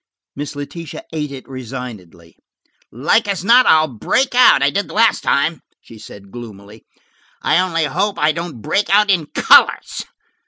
Miss Letitia ate it resignedly. "Like as not I'll break out, I did the last time," she said gloomily. "I only hope I don't break out in colors."